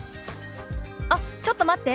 「あっちょっと待って。